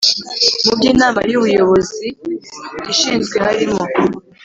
Mu byo Inama y Ubuyobozi ishinzwe harimo